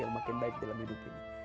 yang makin baik dalam hidup ini